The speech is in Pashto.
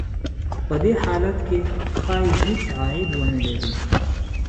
په دې حالت کې ښايي هېڅ عاید ونه لري